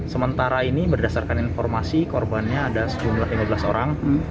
sementara ini berdasarkan informasi korbannya ada sejumlah lima belas orang